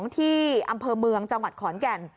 ที่อำเภอเมืองจังหวัดขอนแก่น